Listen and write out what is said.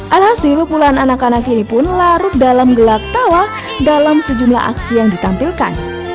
alhasil puluhan anak anak ini pun larut dalam gelak tawa dalam sejumlah aksi yang ditampilkan